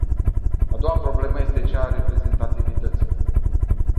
A doua problemă este cea a reprezentativității.